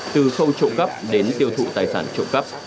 từ khâu trộm cắp đến tiêu thụ tài sản trộm cắp